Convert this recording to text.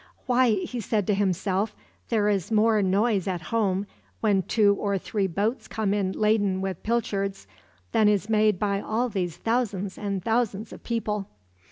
"Why," he said to himself, "there is more noise at home, when two or three boats come in laden with pilchards, than is made by all these thousands and thousands of people!"